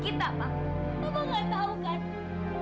kenapa bapak bisa memperbaiki kamila sama mama